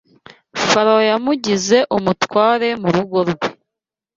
Farawo yamugize “umutware w’urugo rwe